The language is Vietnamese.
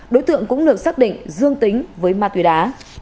đối tượng cũng được xác định dương tính với ma túy đá